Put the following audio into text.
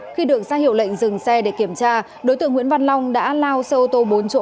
khi được ra hiệu lệnh dừng xe để kiểm tra đối tượng nguyễn văn long đã lao xe ô tô bốn chỗ